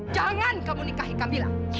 jangan kamu nikahi kamilah